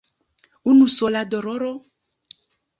Unusola doloro?